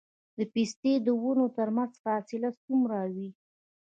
د پستې د ونو ترمنځ فاصله څومره وي؟